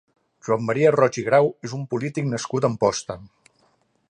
Joan Maria Roig i Grau és un polític nascut a Amposta.